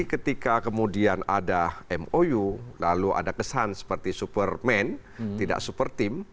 ketika kemudian ada mou lalu ada kesan seperti superman tidak super team